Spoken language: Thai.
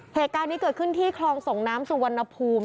เหตุการณ์นี้เกิดขึ้นที่คลองส่งน้ำสุวรรณภูมิ